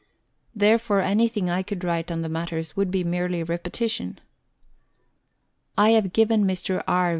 Therefore anything I could write on the matter would be merely repetition. I have given Mr. R.